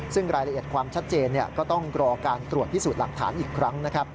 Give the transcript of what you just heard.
ซึ่งรายละเอียดความชัดเจนก็ต้องรอการตรวจพิสูจน์หลักฐานอีกครั้งนะครับ